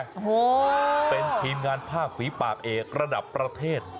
โอ้โหเป็นทีมงานภาคฝีปากเอกระดับประเทศ